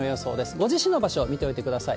ご自身の場所を見ておいてください。